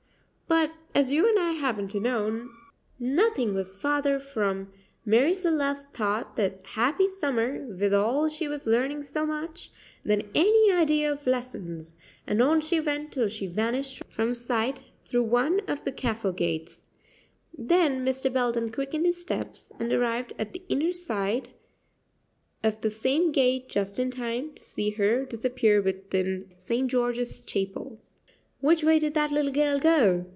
But, as you and I happen to know, nothing was farther from Marie Celeste's thought that happy summer, withal she was learning so much, than any idea of lessons, and on she went till she vanished from sight through one of the castle gates. Then Mr. Belden quickened his steps, and arrived at the inner side of the same gate just in time to see her disappear within St. George's Chapel. "Which way did that little girl go?"